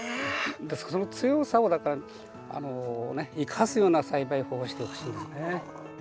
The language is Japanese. ですからその強さを生かすような栽培法をしてほしいんですね。